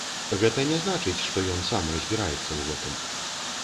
Гэта не значыць, што ён сам разбіраецца ў гэтым.